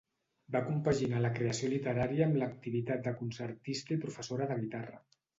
Va compaginar la creació literària amb l'activitat de concertista i professora de guitarra.